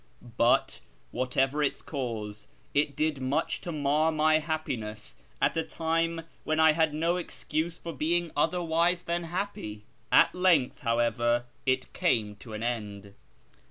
But, whatever its cause, it did much to mar my happiness at a time when I had no excuse for being otherwise than happy. At length, how ever, it came to an end.